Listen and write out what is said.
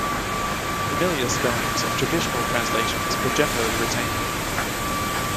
Familiar spellings of traditional translations were generally retained.